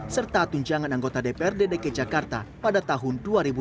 serta tunjangan anggota dprd dki jakarta pada tahun dua ribu dua puluh